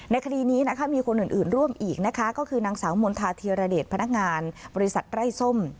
คดีนี้นะคะมีคนอื่นร่วมอีกนะคะก็คือนางสาวมณฑาเทียรเดชพนักงานบริษัทไร้ส้ม